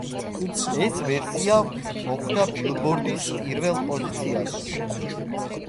ეს ვერსია მოხვდა „ბილბორდის“ პირველ პოზიციაზე.